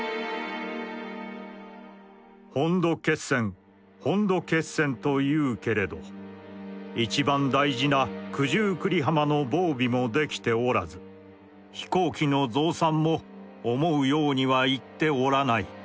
「本土決戦本土決戦と云ふけれど一番大事な九十九里浜の防備も出来て居らず飛行機の増産も思ふ様には行つて居らない。